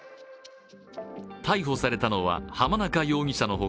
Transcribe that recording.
逮捕されたのは浜中容疑者の他